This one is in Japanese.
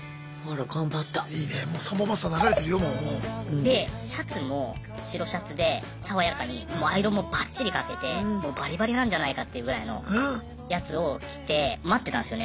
でシャツも白シャツで爽やかにアイロンもバッチリかけてもうバリバリなんじゃないかっていうぐらいのやつを着て待ってたんですよね。